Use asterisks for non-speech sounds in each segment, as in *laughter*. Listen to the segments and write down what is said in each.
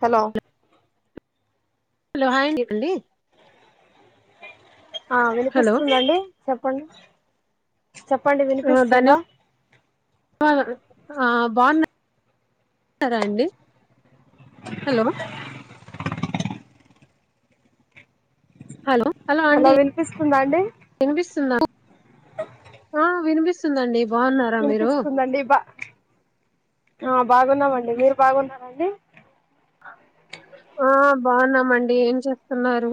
Hello hello hi అండి ఆ hello వినిపిస్తుందండి చెప్పండి చెప్పండి వినిపిస్తుంద బావున్నం ఆ బాగున్నా రా అండి హలో హలో హలో అండి వినిపిస్తుందా అండి వినిపిస్తుందా ఆ వినిపిస్తుందండి బాగున్నారా మీరు వినిపిస్తుందండి బా ఆ బాగున్నామండి మీర్ బాగున్నారండి ఆ బాగున్నామండి ఏం చేస్తున్నారు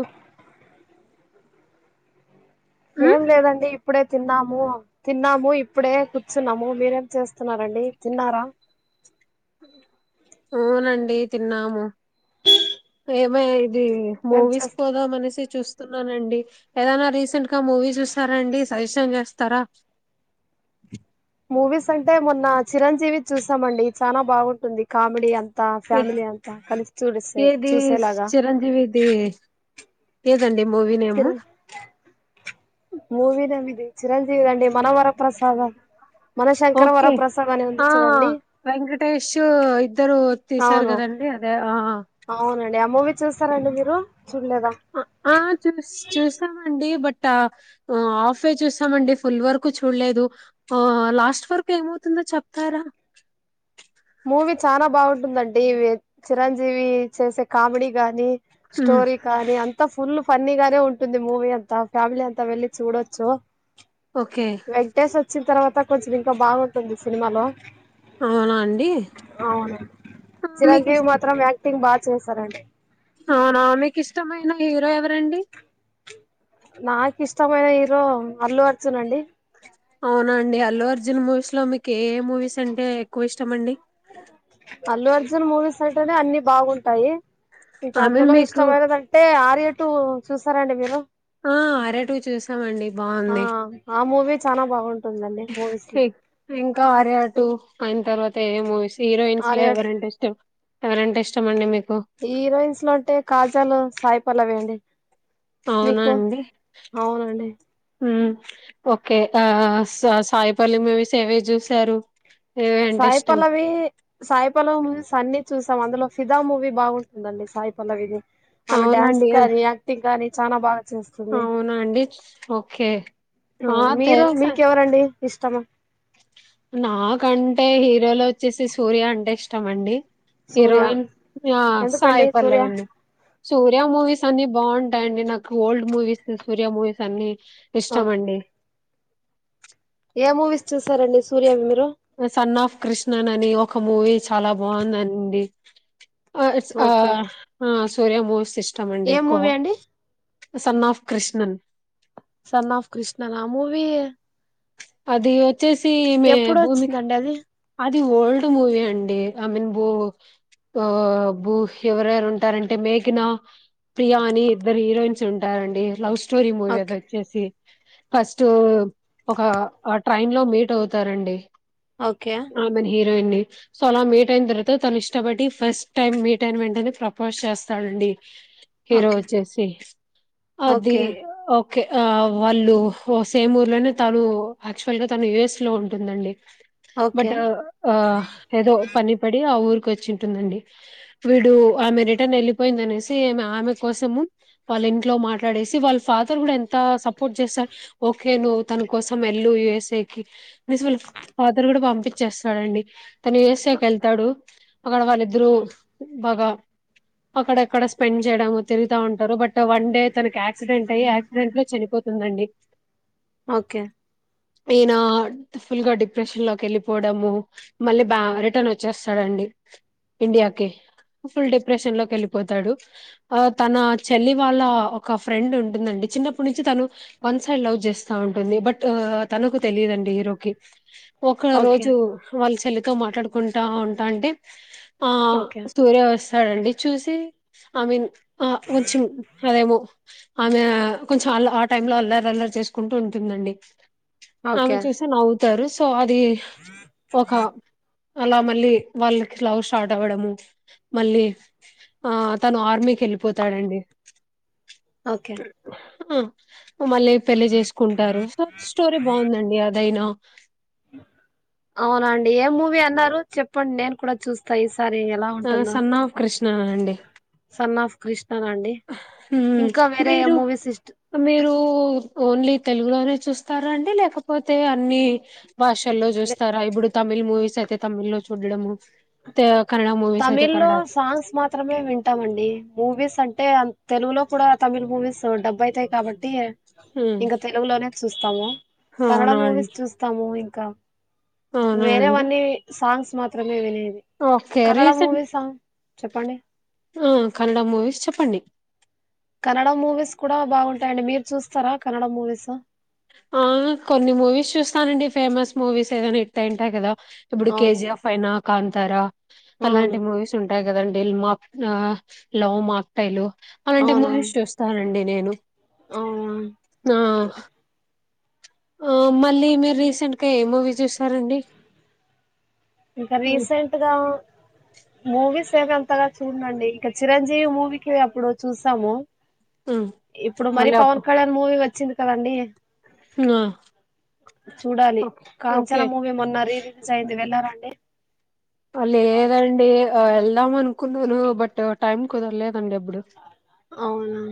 ఏం ఉమ్ లేదండి ఇప్పుడే తిన్నాము తిన్నాము ఇప్పుడే కూర్చున్నాము మీరేం చేస్తున్నారంండి తిన్నార అవునండి తిన్నాము ఏమే ఇది ఏం మూవీస్ చేస్ పోదామనేసి చూస్తున్నానండి. ఏదైనా రీసెంట్ గా మూవీస్ చసారండి, సజెషన్ చేస్తారా? మూవీస్ అంటే మొన్న చిరంజీవిది చూసామండి, చానా బాగుంటుంది కామెడీ అంత త ఏ ఫ్యామిలీ అంతా, కలిసి చూడిసి ఏది చూసేలాగా చిరంజీవిది ఏదండి మూవీ నేము మూవిదం ఇది, చిరంజీవిదండి మనవర ప్రసాద ఓకే, ఆ వెంకటేశు ఇద్దరు తిసారు గదం అదే అదే ఆ అవునం ఆ చుస్ చూస్తామం అండి బట హఫే చూసామండి, ఫుల్ వర్కు చూడలేదు. ఆ లాస్ట్ వర్ తే ఏమవుతుందో చెప్తారా? మూవీ చాలా బాగుంటుందండి, వే చిరంజీవి చేసే కామెడీ గాని హ్మ్. స్టోరి కానీ అంత ఫుల్ ఫన్నీగానే ఉంటుంది మూవీ అంతా, ఫ్యామిలీ అంతా వెళ్ళి చూడొచ్చు. ఓకే వెంకటేష్ వచ్చిన తర్వాత కొంచెం ఇంకా బాగుంటుంది సినిమాలో. అవునా అండి అవునండి మీకు చిరంజీవి ఇష్ట మాత్రం యాక్టింగ్ బా చేశారండి. న హీరో ఎవరండి? నాకు ఇష్టమైన హీరో అల్లు అర్జున్ అండి. అవునా అండి, అల్లు అర్జున్ మూవీస్ లో మీకు ఏ ఏ మూవీస్ అంటే ఎక్కువ ఇష్టం అండి? అల్లు అర్జున్ మూవీస్ అంటేనే అన్ని బాగుంటాయి. ఇంక ఐ మీన్ అందులో మీకు ఇష్టమైనదంటే, ఆర్యటు చూసారండి మీరు? ఆ ఆర్య టు చూసామండి ఆ బావుంది. ఆ మూవీ చానా బాగుంటుందండి మూవీస్ లో ఇక్ ఇంకా ఆర్య టు. ఆయిన తర్వాత ఏ మూవీస్, హీరోయిన్స్ లో ఆర్య ఎవరంటే ఇష్టం, ఎవరంటే ఇష్టం అండి మీకు? హీరోయిన్స్ లో అంటే కాజలు, సాయిపల్లవి అండి. అవునా మీకు అండి, అవునండి హ్మ్ ఓకే ఆ స సాయిపల్లివి మూవిస్ ఏవేవి చూసారు? ఏవి అంటే ఇష్టం సాయిపల్లవి, సాయిపల్లవ్ అన్నీ చూస్ తం అందులో ఫిదా మూవీ బాగుంటందండి సాయి పల్లవిది. ఆమె డ్యాన్స్ అవునండి ఆ, కానీ, యాక్టింగ్ కానీ చానా బాగా చేస్తుంది. అవునా అండి ఓకే ఆ అవును మీరు తెలుసా మీకెవరండి ఇష్టము. నాకంటే హీరోలో వచ్చేసి సూర్య అంటే ఇష్టం అండి. సూర్య హీరోయిన్ ఆ ఎందుకండి సూర్య సాయిపల్లెవండి. సూర్య మూవీస్ అన్ని బావుంటాయండి, నాకు ఓల్డ్ మూవీస్ సూర్యా మూవీస్ అన్ని ఆ ఇష్టమండి. ఏ మూవీస్ చూసారండి, సూర్యవి మీ సన్ ఆఫ్ కృష్ణన్ అని ఒక మూవీ చాలా బావుందండి. ఆ ఇట్స్ ఆ ఓకే ఆ సూర్య మూస్ ఇష్టం అండి ఏ ఎక్కువ. మూవీ అండి son of Krishnan. Son of Krishnan ఆ మూవీ అది వచ్చేసి ఈమె ఎప్పుడు భూమిక. వచ్చిందండి అది అది ఓల్డ్ మూవీ అండి, ఐ మీన్ బు ఆ భూ ఎవరెవరు ఉంటారంటే మేఘన ప్రియా అని, ఇద్దరు హీరోయిన్స్ ఉంటారండి. లవ్ స్టోరీ మూవీ ఓకే అదచ్చేసి. ఫస్ట్ ఒక ట్రైన్ లో మీట్ అవుతారండి. ఓకే అండి సో అలా మీట్ అయిన తరువాత తను ఇష్టపటడి, ఫస్ట్ టైమ్ మీట్ అయిన వెంటనే ప్రపోజ్ చేస్తాడండి. హీరో ఓకే వచ్చేసి, అది ఓకే ఓ కే ఆ వాళ్ళు ఓ సేమ్ ఊర్ లోనే తను యాక్చువల్ గా తను యుఎస్ లో ఉంటుందండి ఓకే బట్ ఆ ఏదో పనిపడి ఆ ఊరు కొచ్చింటుందండి వీడు ఆమె రిటర్న్ వెళ్ళిపోయింది అనేసి ఆమె కోసము వాళ్ళ ఇంట్లో మాట్లాడేసి వాళ్ళ ఫాదర్ కూడా ఎంత సపోర్ట్ చేస్తారు ఓకే నువ్వు తన కోసం ఎల్లు యుఎస్ సేకి మస్ మళ్ళ ఫాదర్ గుడా బ ప్పించేస్తాడండి తను యుఎస్ కి వెళ్తాడు అక్కడ వాళ్ళిద్దరు బాగా అక్కడక్కడ స్పెండ్ చేయడం తిరుతా ఉంటారు బట్ వన్ డే తన యాక్సిడెంట్ అయ్యి యాక్సిడెంట్ లో చనిపోతు ఉంది అండి ఓకే ఈయన ఫుల్ గా డిప్రెషన్ లోకి వెళ్ళి పోవడము మళ్ళీ బా రిటర్న్ వచ్చేస్తాడండి ఇండియాకి ఫుల్ డిప్రెషన్ లోకి వెళ్ళిపోతాడు ఆ తన చెల్లి వాళ్ళ ఒక ఫ్రెండ్ ఉంటుందండి చిన్నప్పటి నుంచి తను వన్ సైడ్ లవ్ చేస్తా ఉంటుంది బట్ తనకు తెలియదండి హీరోకి ఒ రోజు ఓకే వాళ్ళ చెల్లితో మాట్లాడుకుంటా ఉంటా అంటే ఆ ఓకే *unintelligible* చడండి చూసి ఐ మీన్ ఆ కొంచెం అదేమో ఆమె కొంచెం అల్ ఆ టైమ్ లో అల్లరి అల్లరి చేసుకుంటూ ఉంటుందండి ఆమె ఓకే చూసి నవ్వుతారు సో అది ఒక అలా మళ్ళీ వాళ్ళకి లవ్ స్టార్ట్ అవ్వడము మళ్ళీ ఆ తను ఆర్మీకి వెళ్ళిపోతాడండి ఓకే మళ్ళీ పెళ్లి చేసుకుంటారు సో స్టోరీ బాగుందండి అదైనా అవునండి ఏ మూవీ అన్నారు చెప్పండి నేను కూడా చూస్తా ఇ సరే ఎలా ఆ ఉంటుందో సన్ ఆఫ్ కృష్ణ అండి సునఫ్ వేరే ఏ మీరు మూవీస్ ఇష్ట మీరు ఓన్లీ తెలుగులోనే చూస్తారండి లేకపోతే అన్ని భాషల్లో లే- చూస్తారా ఇప్పుడు తమిళ్ మూవీస్ అయితే తమిళ్ లో చూడడం తమిళ లో సాంగ్స్ మాత్రమే వింటామండి మూవీస్ అంటే తెలుగులో కూడా తమిళ్ మూవీస్ సో డబ్బు అయితాయి కాబట్టి ఉమ్ ఇంకా తెలుగులోనే చూస్తాము కన్నడ అవునా మూవీస్ అండి చూస్తాము ఇంకా అవునా వేరే అండి మన్నీ సాంగ్స్ మాత్రమే విని ఓకే రీసెంట్ చెప్పండి కన్నడ మూవీస్ చెప్పండి కన్నడ మూవీస్ కూడా బాగుంటాయండి మీరు చూస్తారా కన్నడ మూవీస్ ఆ కొన్ని మూవీస్ చూస్తానండి ఫేమస్ మూవీస్ ఏదనా హిట్ అయింటాయి కదా ఇప్పుడు అవును కేజీ ఎఫ్ అయినా కాంతార అవును అలాంటి మూవీస్ ఉంటాయి కదండి లవ్ మాక్ టైలు అలాంటే అవునవును మూవీస్ చూస్తానండి నేను అవునవును ఆ ఆ మళ్ళీ మీరు రీసెంట్ గా ఏ మూవీ చూస్తారండి ఇంకా రీసెంట్గా మూవీస్ ఎం అంతగా చూడనుఅండి ఇంకా చిరంజీవి మూవీకి అప్పుడు చూసాము ఉమ్ ఇప్పుడు మర మళ్ళీ పవన్ అప్పు కళ్యాణ్ మూవీ వచ్చింది కదండడి ఆ చూడాలి ఓకే ఓకే కాంచనా మూవీ మొన్న రిరి రిలీజ్ అయేది వెళ్లార అండి లేదండి ఎల్దాము అనుకున్నాను బట్ టైమ్ కుదర్లేదు అవునా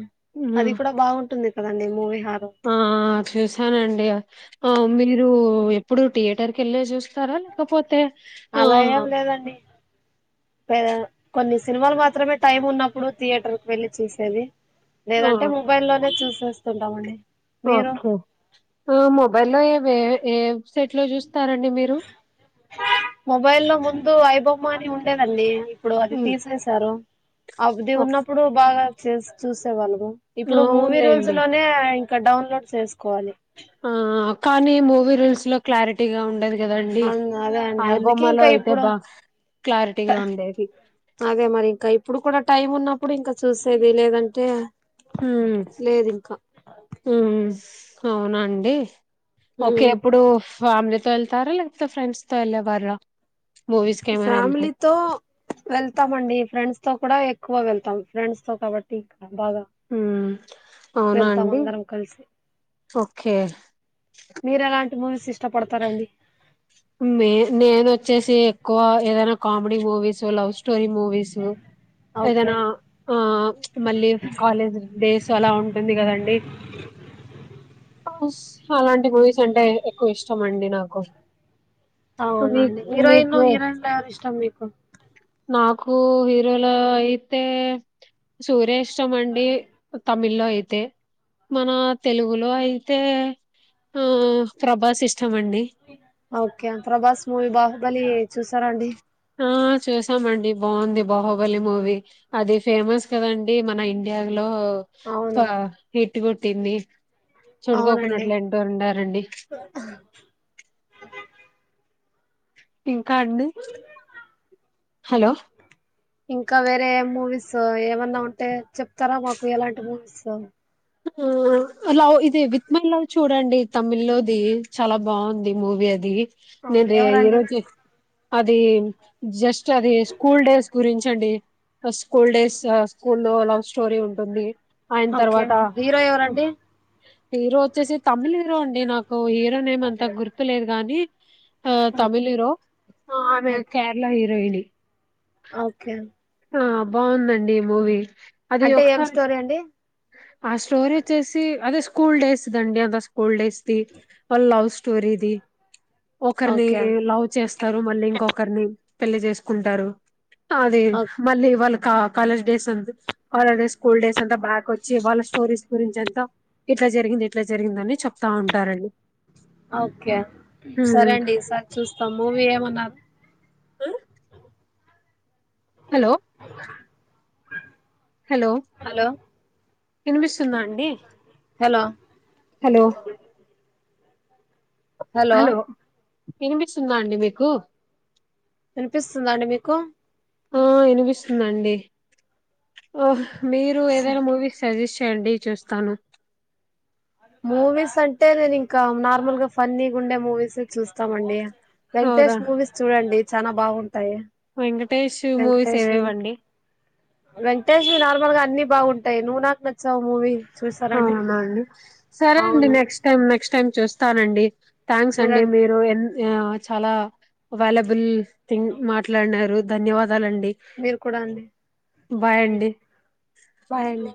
అది ఉమ్ కూడా బాగుంటుంది కదండి మూవీ హారం ఆ చూసానండి ఆ మీరు ఎప్పుడు థియేటర్ కి వెళ్ళి చూస్తారా లేకపోతే ఆ అలా ఏం లేదండి పద కొన్ని సినిమాలు మాత్రమే టైమ్ ఉన్నప్పుడు థియేటర్ కీ వెళ్లి చూసేది ఆ లేదంటే మొబైల్ లోనే చూసేస్తుంటాం అండి ఓకే మోబయిల్ లో ఏస్ చూస్త స్తారంండి మీరు ము అయిబొమ్మ అని ఉండేదండి ఇప్పుడు అది ఉమ్ తీససారు అది ఓకే ఉన్నప్పుడు బాగా చూసేవాళ్ళు ఆ, ఇప్పుడు మూవీ రూల్స్ అవునులేండి లోనే ఇంకా డౌన్లోడ్ చేస్త ఆ కానీ మూవీ రీల్స్ లో క్లారిటీ గా ఉండదు కదండి అవును, అదే అండి అందుకే ఆయబొమ్మలో ఇంకా అయితే ఇప్పుడు బాగా క్లారిటీగా ఉండేది అదే మరి ఇంకా ఇప్పుడు కూడా టైం ఉన్నప్పుడు ఇంకా చూసేది లేదంటే హ లేదు ఇంకా అవునండి ఓకే ఉమ్. ఎప్పుడు ఫ్యామిలీతో వెళ్తారా లేకపోతే ఫ్రెండ్స్ తో వెళ్ళేవారు ఫ్యామిలీతో వెళ్తామండి ఫ్రెండ్స్ తో కూడా ఎక్కువ వెళ్తాం ఫ్రెండ్స్ తో కాబట్టి బాగా హ్మ్ అవునా వెళ్తాం అండి అందరం కలిసి ఓకే మీరు ఎలాంటి మూవీస్ ఇష్టపడతారండి మే నేన వచ్చేసి ఎక్కువ ఏదైనా comedy movies love story movies okay ఏదైనా ఆ మళ్ళీ కాలేజ్ డేస్ అలా ఉంటుంది కదండి అలాంటి మూవీస్ అంటే ఎక్కువ ఇష్టం అండి నాకు అవునుండి మీకు హీరోయిన్ మీకు హీరోయిన్ల ఎవరు ఇష్టం మీకు నాకు హీరోల అయితే సూర్యష్టం వండి తమిళ లో అతే మన తెలుగులో అయితే ఆ ప్రభాసి ఓకే ప్రభాస్ మూవీ బాహుబలి చూసారాండి ఆ చూసామండి బాగుంది బాహుబలి మూవీ అది ఫేమస్ కదండి మన ఇండియా లో అవును ఇట్టు కొట్టింది అవునండి చూడుకోకున్నట్లు ఎంటో ఉండారండి ఇంకాడి హలో ఇంకా వేరే మూవీస్ ఏమన్నా ఉంటే చెప్తారా మాకు ఎలాంటి మూవీస్ హ లవ్ ఇదే విత్ మై లవ్ చూడండి తమిళ లోది చాలా బాగుంది మూవీ అది అవును నేను ఎవరండి ఈరోజు అది జస్ట్ అది స్కూల్ డేస్ గురించ అండి స్కూల్ డేస్ స్కూల్లో లో లవ్ స్టోరీ ఉంటుంది ఆయన ఓకే తర్వాత హీరో ఎవరండి హీరో వచ్చేసి తమిళ హీరో అండి నాకు హీరో నేమ్ అంత గుర్తు లేదు గాని ఆ ఓకే తమిళ హీరో ఆ ఆమె ఓకే కేరళ హీరోయిని ఓకే ఆ బాగుందండి మూవీ అది అంటే ఏం ఒకస స్టోరీ అండి ఆ స్టోరీ వచ్చేసి అదే స్కూల్ డేస్ దండి అ స్కూల్ డేస్ ద లవ్ స్టోరీది ఒకరిని ఓకే లవ్ చేస్తారు మళ్ళీ ఇంకొకరిని పెళ్లి చేసుకుంటారు ఓ మల్ళీ వల్కి కాలేజ్ డేస్ అంత కాలేజ్ డేస్ స్కూల్ డేస్ అంతా బ్యాక్ వచ్చి వాళ్ళ స్టోరీస్ గురించి అంతా ఎట్లా జరిగింది ఎట్లా జరిగింద అని చెప్తా ఉంటారండి ఓకే సరే హ్మ్. అండి ఈ సారి చూస్తాం మూవీ ఏమన్నారు ఆ హలో హలో హలో వినిపిస్తుందా అండి. హలో హలో హలో ఇనిపిస్తుందా అండి మీకు. వినిపిస్తుందా అండి మీకు? ఆ ఇనిపిస్తుందండి. ఆ మీరు ఏదైనా మూవీ సజెస్ట్ చేయండి చూస్తాను. మూవీస్ అంటే నేను ఇంకా నార్మల్ గా ఫన్నీగా ఉండే మూవీసే చూస్తామండి. వెంకటేష్ హౌదా మూవీస్ చూడండి చానా బావుం ా వెంకటేష్ మూవీస్ వెంకటేశ్వర ఏవేవండి వెంకటేశ నాలు ఎక్కువ గా అన్నిీ బాగుంటాయి నువ్వు నాకు నచ్చావు మూవీ చూస్తారండి అవునా అండి సరే అండి నెక్స్ట్ టైం నెక్స్ట్ టైమ్ చూస్తానండి. థ్యాంక్స్ అండి చూడండి మీరు ఎంత ఆ చాలా వాల్యబుల్ థింగ్ మాట్లాడినారు ధన్యవాద వాదాలు అండి. మీరు కూడా అండి బై అండి. బాయ్ అండి